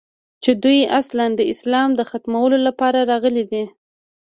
چې دوى اصلاً د اسلام د ختمولو لپاره راغلي دي.